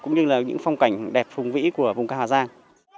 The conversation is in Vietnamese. cũng như là những phong cảnh đẹp phùng vĩ của vùng cao hà giang